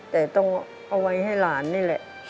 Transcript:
แต่ต้องเอาไว้ให้หลานนี่แหละ